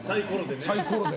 サイコロで。